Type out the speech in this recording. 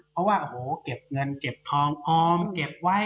เพราะว่าโอ้โหเก็บเงินเก็บทองออมเก็บไว้